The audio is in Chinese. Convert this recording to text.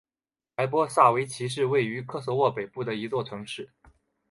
莱波萨维奇是位于科索沃北部的一座城市。